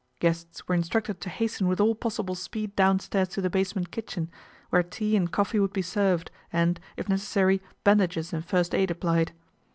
Guests were instructed to hasten with all possible speed downstairs to the basement kitchen, where tea and coffee would be served and, if necessary, bandages and first aid applied.